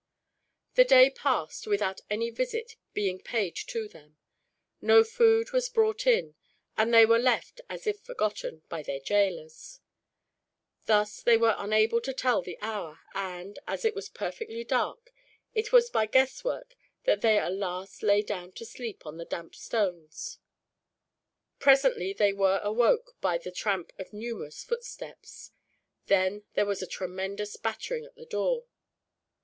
The day passed, without any visit being paid to them. No food was brought in, and they were left, as if forgotten, by their jailors. Thus they were unable to tell the hour and, as it was perfectly dark, it was by guesswork that they at last lay down to sleep on the damp stones. Presently they were awoke by the tramp of numerous footsteps. Then there was a tremendous battering at the door.